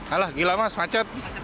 alah gila mas macet